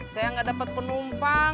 saya gak dapet penumpang